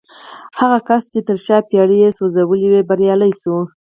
هغه کس چې تر شا بېړۍ يې سوځولې وې بريالی شو.